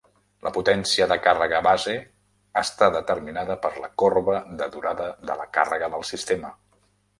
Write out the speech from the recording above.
La potència de càrrega base està determinada per la corba de durada de la càrrega del sistema.